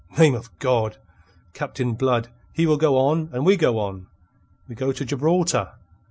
Name of God! Captain Blood, he will go on, and we go on. We go to Gibraltar.